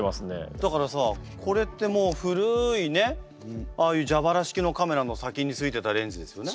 だからさこれってもう古いねああいうじゃばら式のカメラの先についてたレンズですよね？